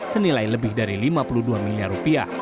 senilai lebih dari rp lima puluh dua miliar